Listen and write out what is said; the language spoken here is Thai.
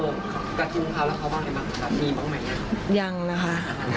แล้วเค้าบอกอย่างไรบ้างครับมีบ้างไหมหรือยัง